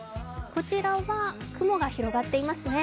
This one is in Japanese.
こちらは雲が広がっていますね。